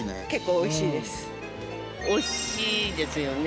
女性：おいしいですよね